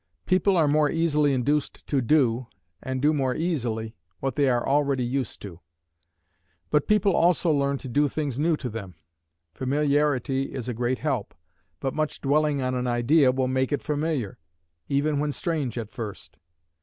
People are more easily induced to do, and do more easily, what they are already used to; but people also learn to do things new to them. Familiarity is a great help; but much dwelling on an idea will make it familiar, even when strange at first.